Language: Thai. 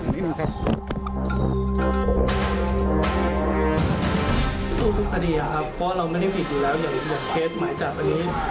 สู้ทุกคดีอะครับเพราะเราไม่ได้ผิดอยู่แล้วอย่างเคสหมายจับอันนี้